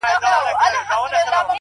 لكه برېښنا ـ